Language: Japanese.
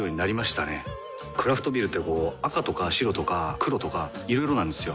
クラフトビールってこう赤とか白とか黒とかいろいろなんですよ。